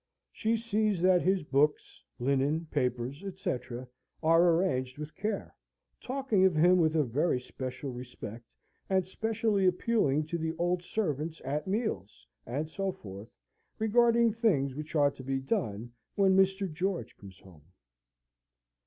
She sees that his books, linen, papers, etc., are arranged with care; talking of him with a very special respect, and specially appealing to the old servants at meals, and so forth, regarding things which are to be done "when Mr. George comes home."